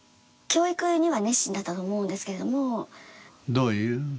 どういう？